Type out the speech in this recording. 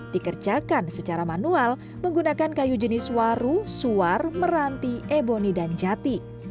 dikerjakan secara manual menggunakan kayu jenis waru suar meranti eboni dan jati